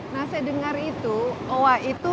nah saya dengar itu owa itu